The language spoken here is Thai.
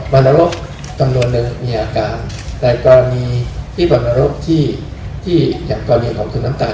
รณรกจำนวนหนึ่งมีอาการแต่กรณีที่บรรนรกที่ที่อย่างกรณีของคุณน้ำตาล